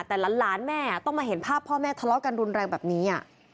แต่หลานแม่ต้องมาเห็นภาพพ่อแม่ทะเลาะกันรุนแรงแบบนี้